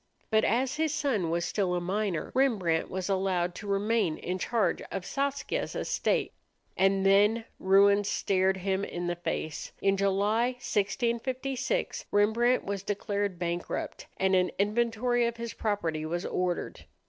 But as his son was still a minor, Rembrandt was allowed to remain in charge of Saskia's estate. And then ruin stared him in the face. In July, 1656, Rembrandt was declared bankrupt, and an inventory of his property was ordered.